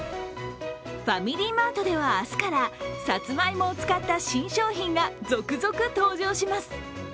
ファミリーマートでは明日からさつまいもを使った新商品が続々登場します。